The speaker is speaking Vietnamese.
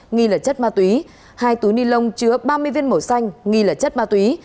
nghi là chất ma túy hai túi ni lông chứa ba mươi viên màu xanh nghi là chất ma túy